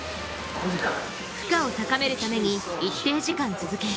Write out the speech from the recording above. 負荷を高めるために一定時間続け